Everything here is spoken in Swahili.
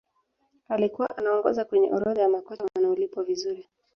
alikuwa anaongoza kwenye orodha ya makocha wanaolipwa vizuri